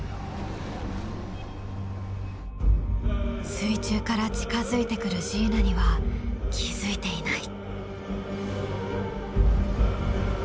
水中から近づいてくるジーナには気付いていない。